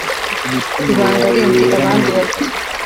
ibanga rindi abandi badafite”